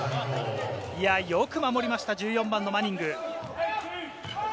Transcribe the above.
よく守りました、１４番のマニング。